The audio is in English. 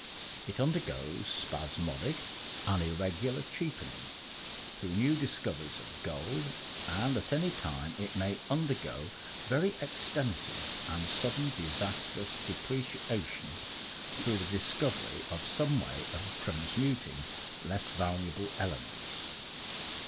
It undergoes spasmodic and irregular cheapening through new discoveries of gold, and at any time it may undergo very extensive and sudden and disastrous depreciation through the discovery of some way of transmuting less valuable elements.